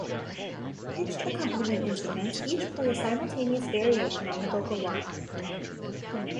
Pitched accompaniment instruments each play a simultaneous variation on the vocal line.